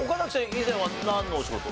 以前はなんのお仕事を？